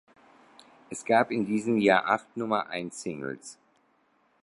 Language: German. Es gab in diesem Jahr acht Nummer-eins-Singles.